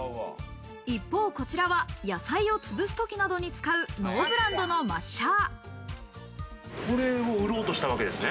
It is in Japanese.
一方、こちらは野菜を潰す時などに使う、ノーブランドのマッシャー。